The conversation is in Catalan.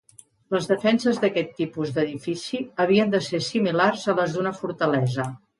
Les defenses d'aquest tipus d'edifici havien de ser similars a les d'una fortalesa.